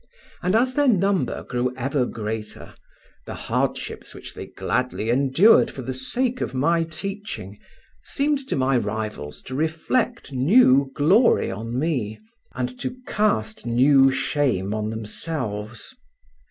And as their number grew ever greater, the hardships which they gladly endured for the sake of my teaching seemed to my rivals to reflect new glory on me, and to cast new shame on themselves.